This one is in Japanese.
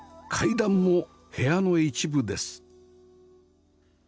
階段も部屋の一部です